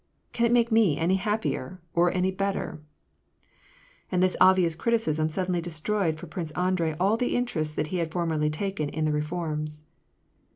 Can it make me any happier, or any better ?" And this obvious criticism suddenly destroyed for Prince Andrei all the interest that he had formerly taken in the reforms.